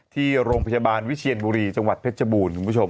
ที่โรงพยาบาลวิเชียนบุรีจังหวัดเพชรบูรณ์คุณผู้ชม